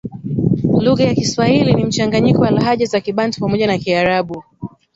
Lugha ya Kiswahili ni mchanganyiko wa lahaja za kibantu pamoja na kiarabu